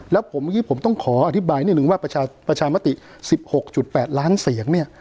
แล้วผมเมื่อกี้ผมต้องขออธิบายนิดหนึ่งว่าประชาประชามาติสิบหกจุดแปดล้านเสียงเนี้ย